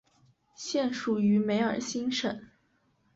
现属于梅尔辛省。